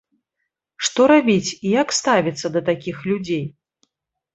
Што рабіць і як ставіцца да такіх людзей?